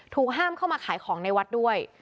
ห้ามเข้ามาขายของในวัดด้วย